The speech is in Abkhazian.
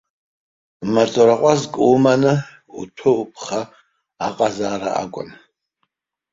Маҵура ҟәазк уманы, уҭәы-уԥха аҟазаара акәын.